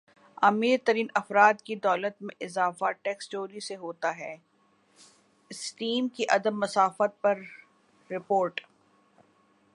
امیر ترین افراد کی دولت میں اضافہ ٹیکس چوری سے ہوتا ہےاکسفیم کی عدم مساوات پر رپورٹ